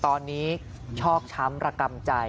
ตอนนี้ชอกช้ำรกรรมใจทั้งกายและใจคือเจ็บไปหมดนะฮะ